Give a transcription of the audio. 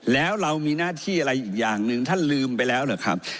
แล้วเรามีหน้าที่อะไรอีกอย่างหนึ่งท่านลืมไปแล้วหรือครับ